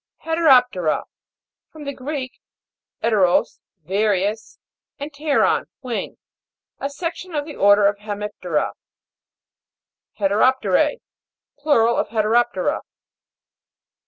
HETEROP'TERA. From the Greek, 'eteros, various, and pteron, wing. A section of the order Hemip'tera. HETEROP'TERJE. Plural of Heterop' tera.